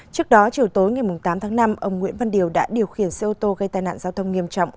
trước đó chiều tối ngày tám tháng năm ông nguyễn văn điều đã điều khiển xe ô tô gây tai nạn giao thông nghiêm trọng